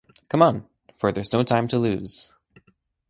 Come on, for there's no time to lose.